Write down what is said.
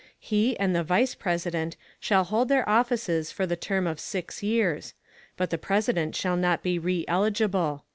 He and the Vice President shall hold their offices for the term of six years; _but the President shall not be reëligible.